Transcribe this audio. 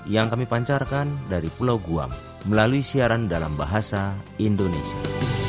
yang kami pancarkan dari pulau guam melalui siaran dalam bahasa indonesia